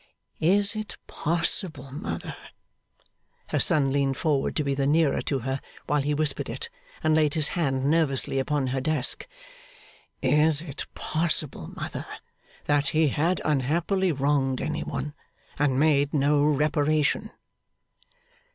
'Is it possible, mother,' her son leaned forward to be the nearer to her while he whispered it, and laid his hand nervously upon her desk, 'is it possible, mother, that he had unhappily wronged any one, and made no reparation?